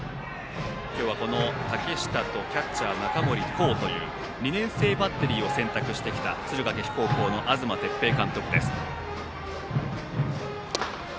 今日は竹下とキャッチャー中森昂という２年生バッテリーを選択した敦賀気比高校の東哲平監督。